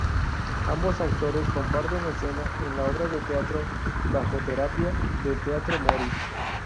Ambos actores comparten escena en la obra de teatro "Bajo terapia" de Teatro Mori.